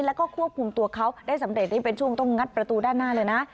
แล้วก็ควบคุมตัวเขาได้สำเร็จนี่เป็นช่วงต้องงัดประตูด้านหน้าเลยนะ